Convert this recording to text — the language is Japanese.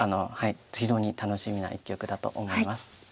非常に楽しみな一局だと思います。